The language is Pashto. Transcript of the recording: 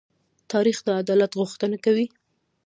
تاریخ د عدالت غوښتنه کوي.